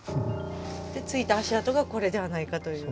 でついた足跡がこれではないかという。